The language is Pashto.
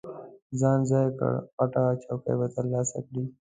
ځان ځای کړه، غټه چوکۍ به ترلاسه کړې.